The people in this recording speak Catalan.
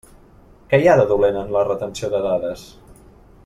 Què hi ha de dolent en la retenció de dades?